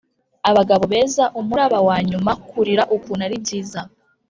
abagabo beza, umuraba wanyuma, kurira ukuntu ari byiza